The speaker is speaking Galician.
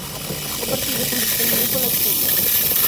O partido foi suspendido pola chuvia.